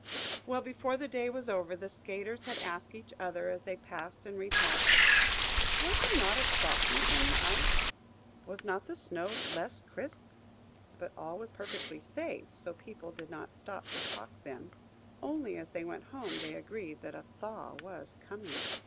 Well, before the day was over, the skaters had asked each other, as they passed and repassed, "Was there not a softness on the ice?"–"Was not the snow less crisp?" But all was perfectly safe, so people did not stop to talk then: only, as they went home, they agreed that a thaw was coming.